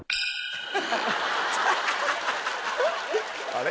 あれ？